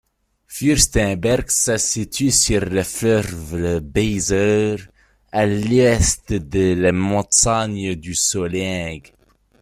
Fürstenberg se situe sur le fleuve Weser, à l'ouest de la montagne du Solling.